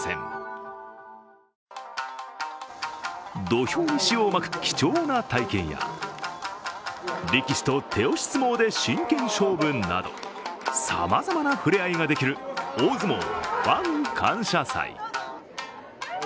土俵に塩をまく貴重な体験や、力士と手押し相撲で真剣勝負などさまざまな、触れあいができる大相撲ファン感謝祭。